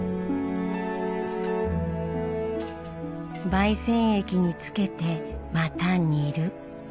媒染液につけてまた煮る。